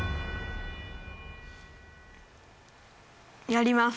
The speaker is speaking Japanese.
やります！